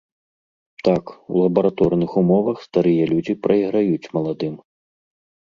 Так, у лабараторных умовах старыя людзі прайграюць маладым.